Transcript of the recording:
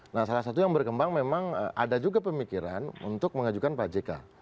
nah salah satu yang berkembang memang ada juga pemikiran untuk mengajukan pak jk